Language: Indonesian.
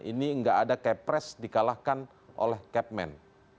ini enggak ada kepres dikalahkan oleh kepmen